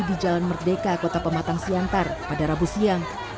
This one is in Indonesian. di jalan merdeka kota pematang siantar pada rabu siang